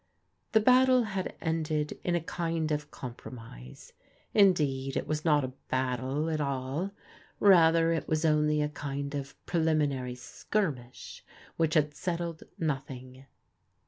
The battle had ended in a land of compromise. In* deed it was not a battle at all. Rather it was only a kind of preliminary skirmish, which had settled nothing.